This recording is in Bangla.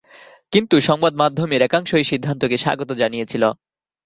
কিন্তু সংবাদমাধ্যমের একাংশ এই সিদ্ধান্তকে স্বাগত জানিয়েছিল।